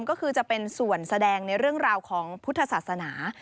ก็คือจะเป็นส่วนแสดงในเรื่องราวของพุทธศาสนา